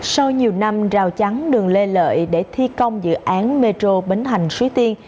sau nhiều năm rào chắn đường lê lợi để thi công dự án metro bến thành suối tiên